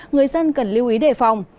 người dân cần lưu ý đề phòng